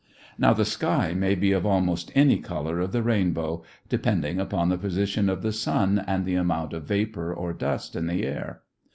Now, the sky may be of almost any color of the rainbow, depending upon the position of the sun and the amount of vapor or dust in the air.